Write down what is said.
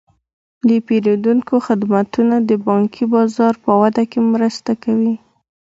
د پیرودونکو خدمتونه د بانکي بازار په وده کې مرسته کوي.